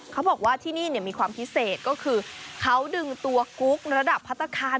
เขาบอกว่าที่นี่มีความพิเศษก็คือเขาดึงตัวกุ๊กระดับพัฒนาคาร